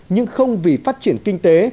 nhưng không vì phát triển kinh tế